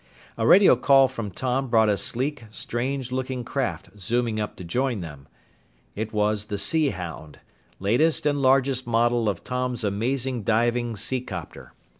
A radio call from Tom brought a sleek, strange looking craft zooming up to join them. It was the Sea Hound, latest and largest model of Tom's amazing diving seacopter.